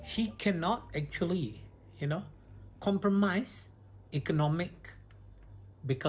dia tidak bisa menghubungkan ekonomi karena kehidupan